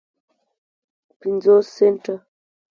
پینځوس سنټه